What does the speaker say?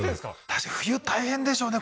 確かに冬大変でしょうね